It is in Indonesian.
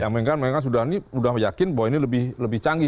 mereka sudah yakin bahwa ini lebih canggih